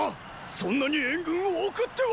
そんなに援軍を送っては。